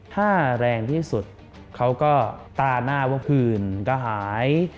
ถ้าแรงที่สุดเขาก็ตาหน้าว่าผื่นก็หาย